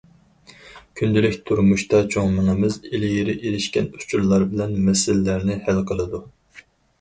كۈندىلىك تۇرمۇشتا، چوڭ مېڭىمىز ئىلگىرى ئېرىشكەن ئۇچۇرلار بىلەن مەسىلىلەرنى ھەل قىلىدۇ.